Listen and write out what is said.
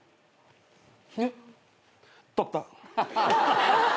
取った。